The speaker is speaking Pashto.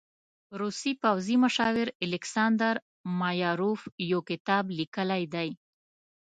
روسي پوځي مشاور الکساندر مایاروف يو کتاب لیکلی دی.